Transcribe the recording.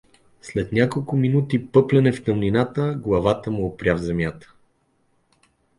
След няколко минути пъплене в тъмнината, главата му опря в земя.